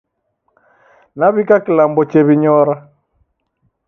Nawika kilambo chew'inyora